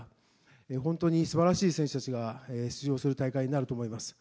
本当に素晴らしい選手たちが出場する大会であると思います。